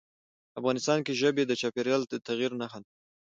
افغانستان کې ژبې د چاپېریال د تغیر نښه ده.